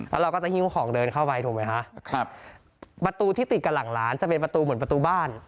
แล้วเราก็จะหิ้วของเดินเข้าไปถูกไหมฮะครับประตูที่ติดกับหลังร้านจะเป็นประตูเหมือนประตูบ้าน